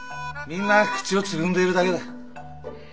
みんな口をつぐんでいるだけだ。